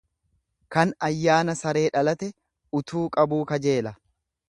Kan ayyaana saree dhalate utuu qabuu kajeela.